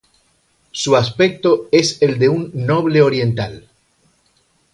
Su aspecto es el de un noble oriental.